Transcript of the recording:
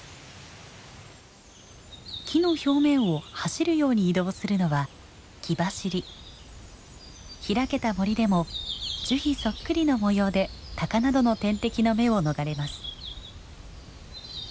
木の表面を走るように移動するのは開けた森でも樹皮そっくりの模様でタカなどの天敵の目を逃れます。